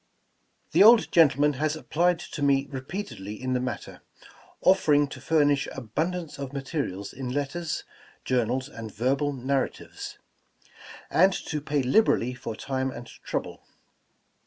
"The old gentleman has applied to me repeatedly in the matter, offering to furnish abundance of materials in letters, journals and verbal narratives, and to pay 281 The Original John Jacob Astor liberally for time and trouble.